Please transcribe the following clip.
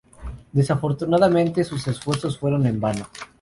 Desafortunadamente sus esfuerzos fueron en vano.